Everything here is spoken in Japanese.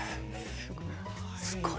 すごい。